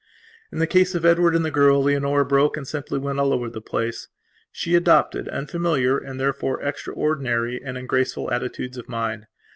In the case of Edward and the girl, Leonora broke and simply went all over the place. She adopted unfamiliar and therefore extraordinary and ungraceful attitudes of mind.